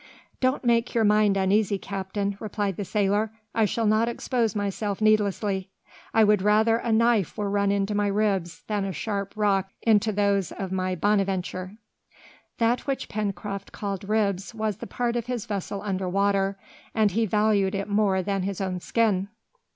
"Don't make your mind uneasy, captain," replied the sailor, "I shall not expose myself needlessly! I would rather a knife were run into my ribs than a sharp rock into those of my Bonadventure!" That which Pencroft called ribs was the part of his vessel under water, and he valued it more than his own skin.